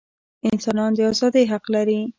انسانان د ازادۍ حق لري.